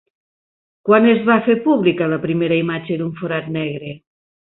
Quan es va fer pública la primera imatge d'un forat negre?